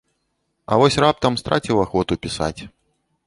А вось раптам страціў ахвоту пісаць.